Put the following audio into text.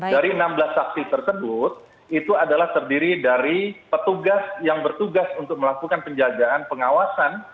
dari enam belas saksi tersebut itu adalah terdiri dari petugas yang bertugas untuk melakukan penjagaan pengawasan